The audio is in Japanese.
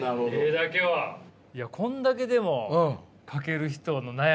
いやこんだけでも描ける人の悩み